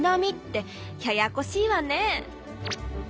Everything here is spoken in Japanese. ややこしいわね。